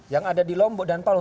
yang ada di lombok dan palu